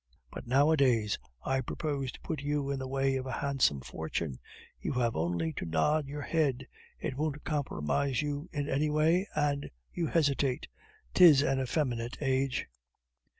But nowadays I propose to put you in the way of a handsome fortune; you have only to nod your head, it won't compromise you in any way, and you hesitate. 'Tis an effeminate age."